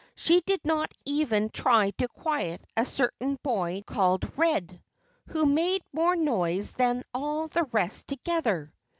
She did not even try to quiet a certain boy called "Red," who made more noise than all the rest together.